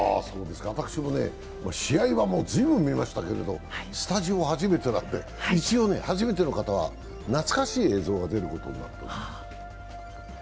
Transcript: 私もね、試合はもう随分見ましたけれどもスタジオ初めてだって一応初めての方は懐かしい映像が出ることになっております。